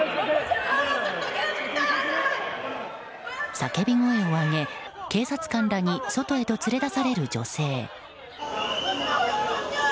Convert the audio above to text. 叫び声を上げ、警察官らに外へと連れ出される女性。